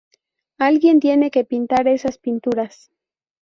Alguien tiene que pintar esas pinturas.